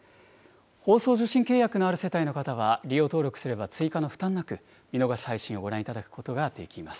放送受信契約のある世帯の方は、利用登録すれば追加の負担なく、見逃し配信をご覧いただくことができます。